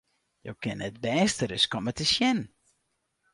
Jo kinne it bêste ris komme te sjen!